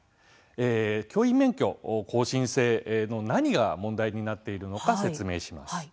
教員免許更新制の何が問題になっているのか説明します。